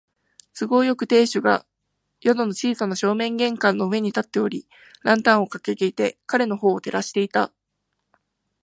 都合よく、亭主が宿の小さな正面階段の上に立っており、ランタンをかかげて彼のほうを照らしていた。